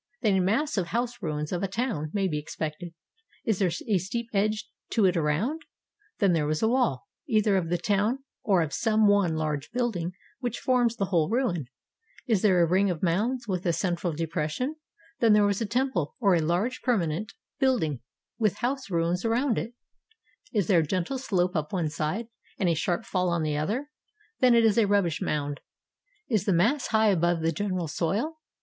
Then a mass of house ruins of a town may be expected. Is there a steep edge to it around? Then there was a wall, either of the town or of some one large building which forms the whole ruin. Is there a ring of mounds with a central depression? Then there was a temple or large permanent 76 HOW TO EXCAVATE A BURIED TOWN building, with house ruins around it. Is there a gentle slope up one side, and a sharp fall on the other? Then it is a rubbish mound. Is the mass high above the general soil?